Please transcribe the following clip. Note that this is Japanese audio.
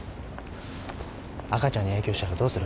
赤ちゃんに影響したらどうする？